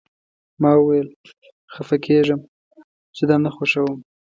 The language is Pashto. ما وویل: خفه کیږم، زه دا نه خوښوم.